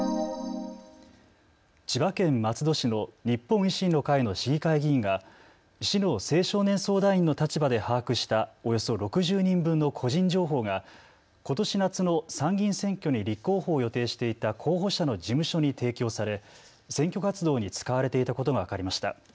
千葉県松戸市の日本維新の会の市議会議員が市の青少年相談員の立場で把握したおよそ６０人分の個人情報が、ことし夏の参議院選挙に立候補を予定していた候補者の事務所に提供され選挙活動に使われていたことが分かりました。